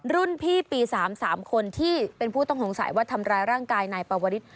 รุ่นพี่ปี๓๓คนที่เป็นผู้ต้องสงสัยว่าทำร้ายร่างกายนายปวริส